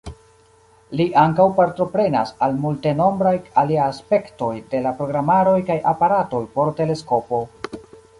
Li ankaŭ partoprenas al multenombraj aliaj aspektoj de la programaroj kaj aparatoj por teleskopo.